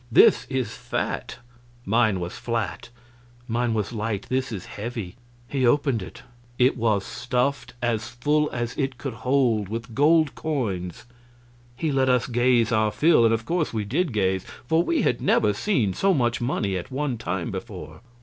This is fat; mine was flat; mine was light; this is heavy." He opened it; it was stuffed as full as it could hold with gold coins. He let us gaze our fill; and of course we did gaze, for we had never seen so much money at one time before.